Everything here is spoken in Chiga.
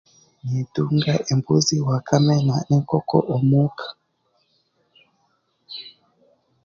Nintunga embuuzi, wakame na n'enkooko omuka.